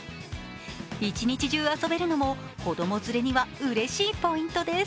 一日中遊べるのも、子供連れにはうれしいポイントです。